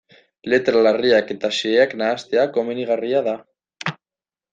Letra larriak eta xeheak nahastea komenigarria da.